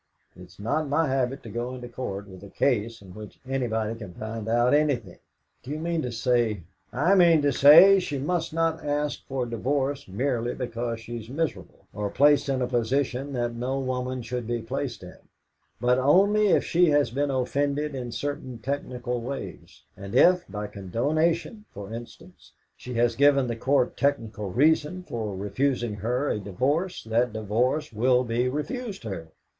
It is not my habit to go into Court with a case in which anybody can find out anything." "Do you mean to say " "I mean to say that she must not ask for a divorce merely because she is miserable, or placed in a position that no woman should be placed in, but only if she has been offended in certain technical ways; and if by condonation, for instance she has given the Court technical reason for refusing her a divorce, that divorce will be refused her.